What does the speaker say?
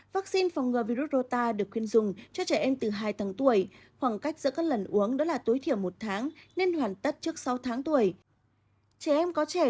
vaccine phòng ngừa virus rota được khuyên dùng cho trẻ em từ hai tháng tuổi khoảng cách giữa các lần uống đó là tối thiểu một tháng nên hoàn tất trước sáu tháng tuổi